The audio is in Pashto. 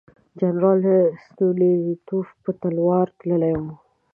جنرال ستولیتوف په تلوار تللی وو.